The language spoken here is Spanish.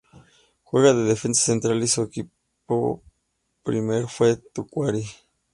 Juega de defensa central y su primer equipo fue Tacuary.